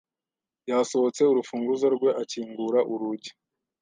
yasohotse urufunguzo rwe akingura urugi.